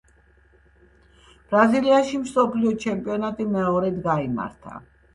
ბრაზილიაში მსოფლიო ჩემპიონატი მეორედ გაიმართა.